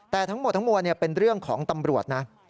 แต่ทั้งหมดทั้งมวลเป็นเรื่องของตำรวจนะ